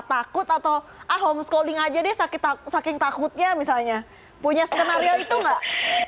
takut atau ah homeschooling aja deh saking takutnya misalnya punya skenario itu enggak